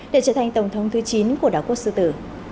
để trở thành tổng thống thứ chín của đảo quốc sư tử